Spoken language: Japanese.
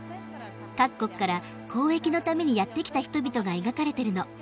各国から交易のためにやって来た人々が描かれてるの。